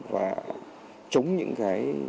và chống những cái